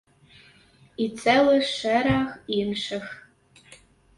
І цэлы шэраг іншых.